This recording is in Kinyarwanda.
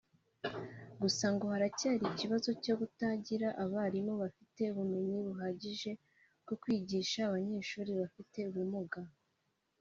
Gusa ngo haracyari ikibazo cyo kutagira abarimu bafite ubumenyi buhagije bwo kwigisha abanyeshuri bafite ubumuga